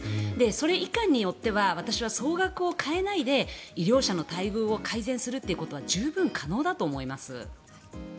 それいかんによっては私は総額を変えないで医療者の待遇を改善するということは十分可能だと思います。